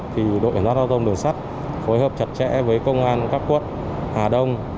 thì đội hành giao thông đường sắt phối hợp chặt chẽ với công an các quận hà đông